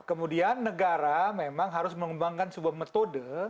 kemudian negara memang harus mengembangkan sebuah metode